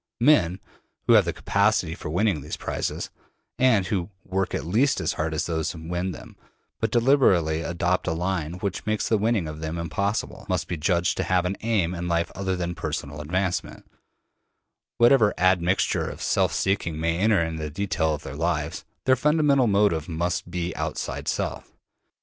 Men who have the capacity for winning these prizes, and who work at least as hard as those who win them, but deliberately adopt a line which makes the winning of them impossible, must be judged to have an aim in life other than personal advancement; whatever admixture of self seeking may enter into the detail of their lives, their fundamental motive must be outside Self.